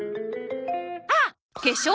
あっ！